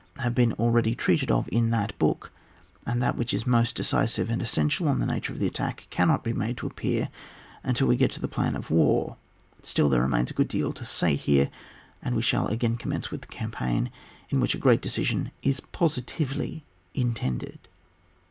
have been already treated of in that book, and that which is most decisive and essential on the nature of the attack, can not be made to appear until we get to the plan of war : still there remains a good deal to say here, and we shall again commence with the campaign, in which a great decision is positively ititefided, 1